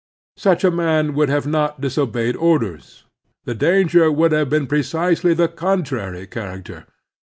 Such a man would not have disobeyed orders. The danger would have been of precisely the contrary character.